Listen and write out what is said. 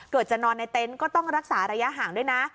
จะนอนในเต็นต์ก็ต้องรักษาระยะห่างด้วยนะ